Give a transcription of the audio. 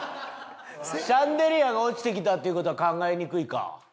シャンデリアが落ちてきたっていう事は考えにくいか？